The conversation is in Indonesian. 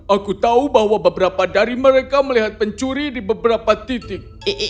aku tahu bahwa beberapa dari mereka melihat pencuri di beberapa titik